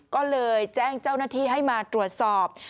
ก็เลยแจ้งเจ้าหน้าที่ให้มาตรวจสอบ